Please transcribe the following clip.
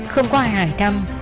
không có ai hải thăm